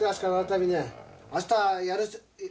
明日やる。